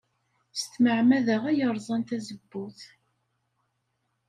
S tmeɛmada ay rẓan tazewwut.